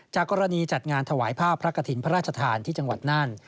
กรณีจัดงานถวายภาพพระกฐินพระราชทานที่จังหวัดนั่น